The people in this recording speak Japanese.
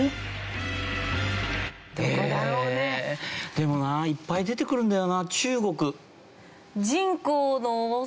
でもないっぱい出てくるんだよな。